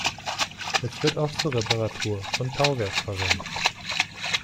Er wird auch zur Reparatur von Tauwerk verwendet.